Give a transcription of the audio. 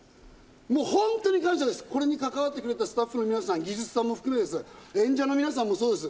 本当に感謝です、これに関わってくれたスタッフの皆さん、技術者も含め、演者の皆さんもそうです。